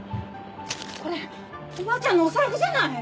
これおばあちゃんのお財布じゃない！